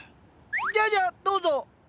じゃあじゃあどうぞ！